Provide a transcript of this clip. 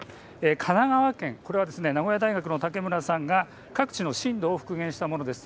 神奈川県、これは名古屋大学の武村さんが各地の震度を復元したものです。